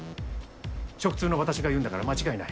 食通の私が言うんだから間違いない。